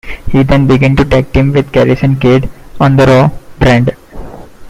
He then began to tag team with Garrison Cade on the "Raw" brand.